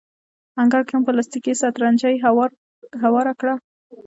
انګړ کې مو پلاستیکي سترنجۍ هواره کړه.